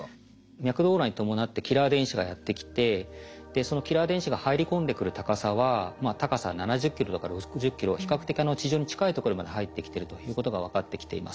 脈動オーロラに伴ってキラー電子がやって来てそのキラー電子が入り込んでくる高さは高さ７０ｋｍとか６０ｋｍ比較的地上に近いところまで入ってきてるということが分かってきています。